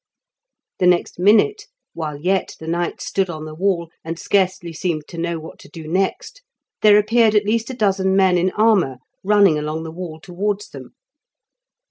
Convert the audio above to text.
The next minute, while yet the knights stood on the wall, and scarcely seemed to know what to do next, there appeared at least a dozen men in armour running along the wall towards them.